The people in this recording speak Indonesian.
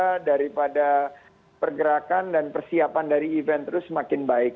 karena daripada pergerakan dan persiapan dari event terus semakin baik